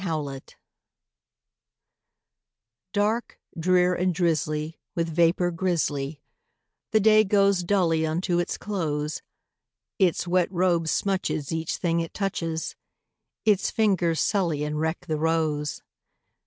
A WET DAY Dark, drear, and drizzly, with vapor grizzly, The day goes dully unto its close; Its wet robe smutches each thing it touches, Its fingers sully and wreck the rose.